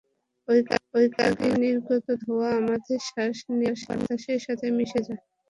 এই কারখানা থেকে নির্গত ধোঁয়া আমাদের শ্বাস নেয়া বাতাসের সাথে মিশে যায়।